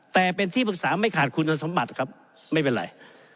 แต่เป็นที่ปรึกษาไม่ขาดคุณสมบัติครับไม่เป็นไร